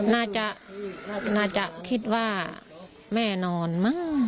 น่าจะคิดว่าแม่นอนมั้ง